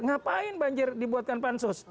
ngapain banjir dibuatkan pansus